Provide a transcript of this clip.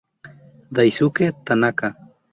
Daisuke Tanaka